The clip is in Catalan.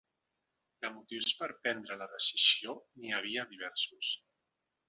De motius per a prendre la decisió n’hi havia diversos.